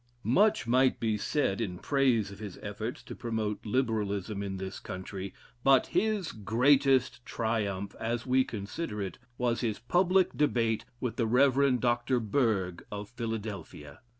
Much might be said in praise of his efforts to promote Liberalism in this country; but his greatest triumph, as we consider it, was his public debate with the Rev. Dr. Berg of Philadelphia.